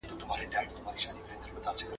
د احمد شاه بابا په اړه کوم کتابونه لیکل سوي دي؟